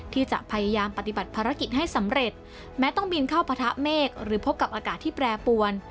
ที่จะพยายามปฏิบัติภารกิจให้สำเร็จแม้ต้องบินเข้าปะทะเมฆหรือพบกับอากาศที่แปรปวน